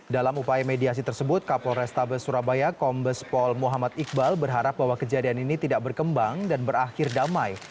dalam upaya mediasi tersebut kapol restabes surabaya kombes pol muhammad iqbal berharap bahwa kejadian ini tidak berkembang dan berakhir damai